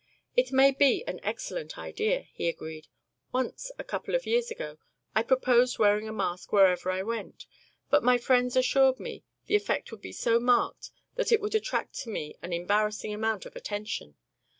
"It may be an excellent idea," he agreed. "Once, a couple of years ago, I proposed wearing a mask wherever I went, but my friends assured me the effect would be so marked that it would attract to me an embarrassing amount of attention.